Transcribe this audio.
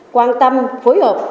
quan tâm phối hợp